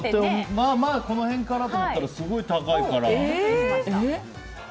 まあまあこの辺かなと思ったらすごい高いから。